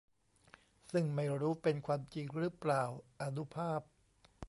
ซึ่งไม่รู้เป็นความจริงรึเปล่า อานุภาพ